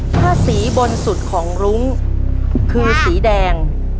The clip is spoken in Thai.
ถ้าสีบนสุดของรุ้งคือสีแดง